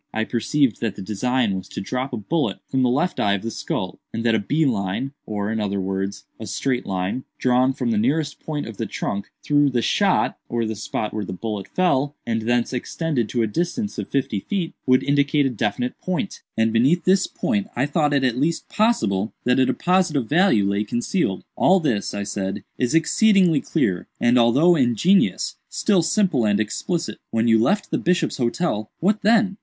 I perceived that the design was to drop a bullet from the left eye of the skull, and that a bee line, or, in other words, a straight line, drawn from the nearest point of the trunk through 'the shot,' (or the spot where the bullet fell,) and thence extended to a distance of fifty feet, would indicate a definite point—and beneath this point I thought it at least possible that a deposit of value lay concealed." "All this," I said, "is exceedingly clear, and, although ingenious, still simple and explicit. When you left the Bishop's Hotel, what then?"